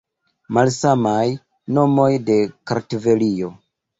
Malsamaj nomoj de Kartvelio.